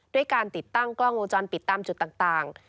ด้วยการติดตั้งกล้องวงจรปิดตามจุดต่าง